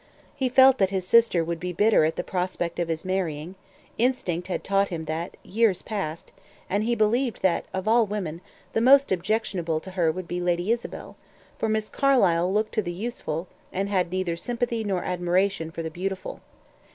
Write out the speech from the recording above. He felt that his sister would be bitter at the prospect of his marrying; instinct had taught him that, years past; and he believed that, of all women, the most objectionable to her would be Lady Isabel, for Miss Carlyle looked to the useful, and had neither sympathy nor admiration for the beautiful.